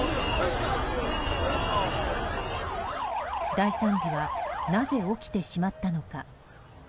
大惨事はなぜ起きてしまったのか。